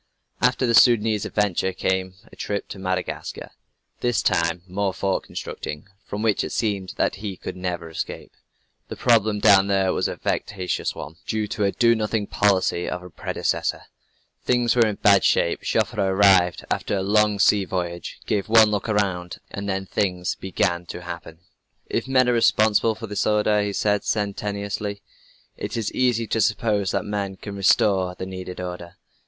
After the Soudanese adventure, came a trip to Madagascar this time, more fort constructing, from which it seemed that he could never escape. The problem down there was a vexatious one, due to a do nothing policy of a predecessor. Things were in bad shape. Joffre arrived, after a long sea voyage, gave one look around, and then things began to happen. "If men are responsible for this disorder," he said sententiously, "it is easy to suppose that men can restore the needed order."